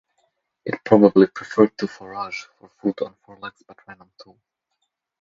It probably preferred to forage for food on four legs, but ran on two.